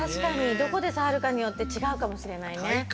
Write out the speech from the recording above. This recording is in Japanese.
どこでさわるかによってちがうかもしれないね。